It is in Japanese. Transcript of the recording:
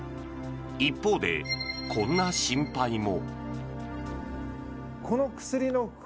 一方で、こんな心配も。